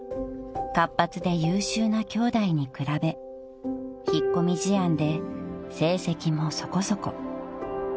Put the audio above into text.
［活発で優秀な兄弟に比べ引っ込み思案で成績もそこそこ］